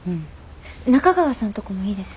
中川さんとこもいいです。